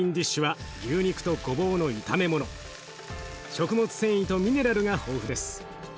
食物繊維とミネラルが豊富です。